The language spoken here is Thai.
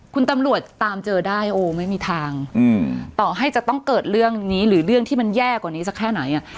คุณตำรวจตามเจอได้โอ้ไม่มีทางต่อให้จะต้องเกิดเรื่องนี้หรือเรื่องที่มันแย่กว่านี้สักแค่ไหน